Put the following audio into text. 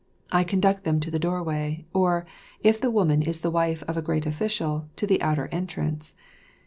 I conduct them to the doorway, or, if the woman is the wife of a great official, to the outer entrance.